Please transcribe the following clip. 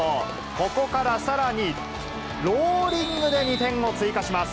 ここからさらに、ローリングで２点を追加します。